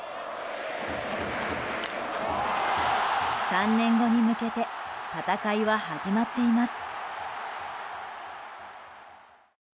３年後に向けて戦いは始まっています。